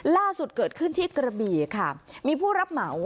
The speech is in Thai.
ล่าสุดเกิดขึ้นที่กระบี่ค่ะมีผู้รับเหมา